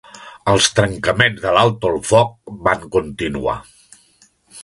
Els trencaments de l'alto el foc van continuar.